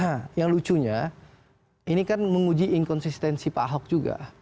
nah yang lucunya ini kan menguji inkonsistensi pak ahok juga